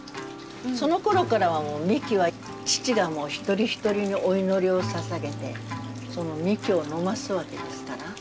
そのころからはみきは父がもう一人一人にお祈りをささげてみきを飲ますわけですから。